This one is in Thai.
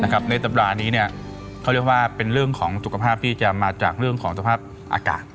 ในสัปดาห์นี้เขาเรียกว่าเป็นเรื่องของสุขภาพที่จะมาจากเรื่องของสภาพอากาศ